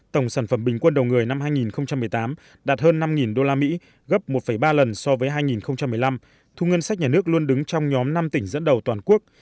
tổng sản phẩm bình quân đầu người năm hai nghìn một mươi tám đạt hơn năm usd gấp một ba lần so với hai nghìn một mươi năm thu ngân sách nhà nước luôn đứng trong nhóm năm tỉnh dẫn đầu toàn quốc